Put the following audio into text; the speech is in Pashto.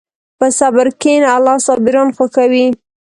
په صبر کښېنه، الله صابران خوښوي.